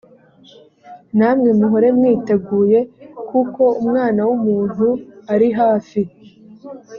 namwe muhore mwiteguye kuko umwana w’umuntu ari hafi